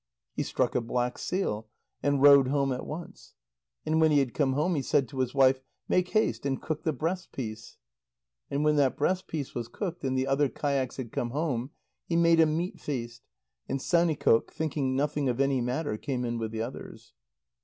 He struck a black seal, and rowed home at once. And when he had come home, he said to his wife: "Make haste and cook the breast piece." And when that breast piece was cooked, and the other kayaks had come home, he made a meat feast, and Saunikoq, thinking nothing of any matter, came in with the others.